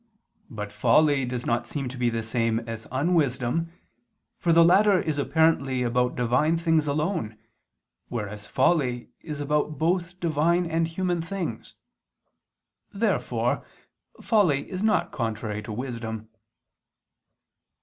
But folly does not seem to be the same as unwisdom, for the latter is apparently about Divine things alone, whereas folly is about both Divine and human things. Therefore folly is not contrary to wisdom.